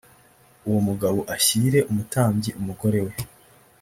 uwo mugabo ashyire umutambyi umugore we